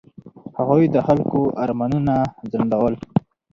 هغوی د خلکو ارمانونه ځنډول.